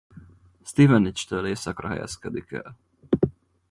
Stevenage-től északra helyezkedik el.